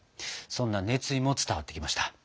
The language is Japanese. そんな熱意も伝わってきました。